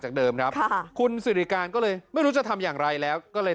เดิมครับค่ะคุณสิริการก็เลยไม่รู้จะทำอย่างไรแล้วก็เลย